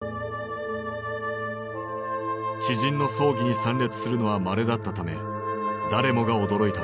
知人の葬儀に参列するのはまれだったため誰もが驚いたという。